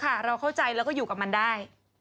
โอเคแล้วค่ะเราเข้าใจแล้วก็อยู่กับมันได้